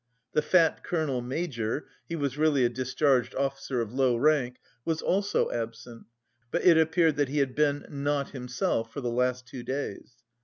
The fat colonel major (he was really a discharged officer of low rank) was also absent, but it appeared that he had been "not himself" for the last two days.